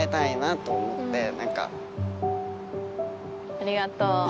ありがとう。